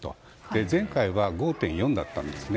前回は５．４だったんですね。